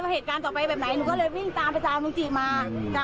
เหตุการณ์ต่อไปแบบไหนหนูก็เลยวิ่งตามไปตามลุงจีมา